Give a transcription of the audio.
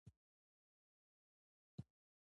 نوي تولیدات ډیزاین کوي.